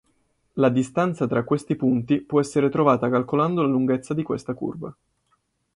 La distanza tra questi punti può essere trovata calcolando la lunghezza di questa curva.